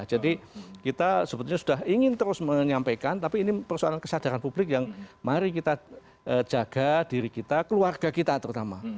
jadi kita sebetulnya sudah ingin terus menyampaikan tapi ini persoalan kesadaran publik yang mari kita jaga diri kita keluarga kita terutama